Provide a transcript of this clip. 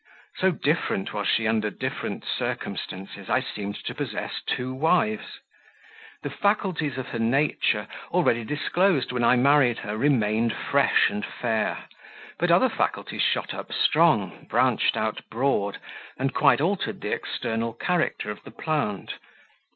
So different was she under different circumstances. I seemed to possess two wives. The faculties of her nature, already disclosed when I married her, remained fresh and fair; but other faculties shot up strong, branched out broad, and quite altered the external character of the plant.